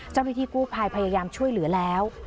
เจ้าหน้าที่กู้ภัยพยายามช่วยเหลือแล้ว